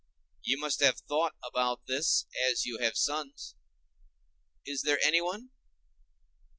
You must have thought about this as you have sons; is there anyone?"